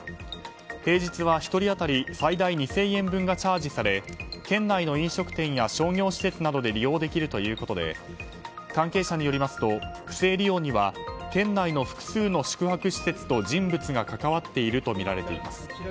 平日は１人当たり最大２０００円分がチャージされ県内の飲食店や商業施設などで利用できるということで関係者によりますと不正利用には県内の複数の宿泊施設と人物が関わっているとみられています。